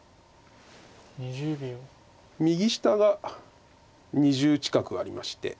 右下が２０近くありまして。